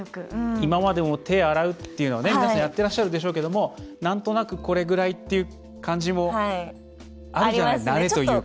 今までも手を洗うというのは皆さんやってらっしゃるでしょうけどなんとなくこれぐらいっていう感じもあるじゃないですか。